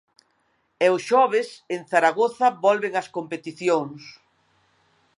E o xoves en Zaragoza volven as competicións.